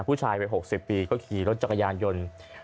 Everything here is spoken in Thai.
ผู้ชายไปหกสิบปีก็ขี่รถจักรยานยนต์